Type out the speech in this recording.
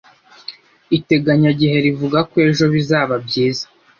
Iteganyagihe rivuga ko ejo bizaba byiza.